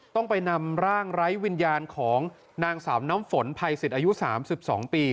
ต้องไปนำร่างไร้วิญญาณของนางสาวน้ำฝนภัยสิทธิ์อายุ๓๒ปี